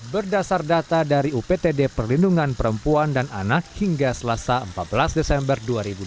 berdasar data dari uptd perlindungan perempuan dan anak hingga selasa empat belas desember dua ribu dua puluh